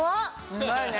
うまいね。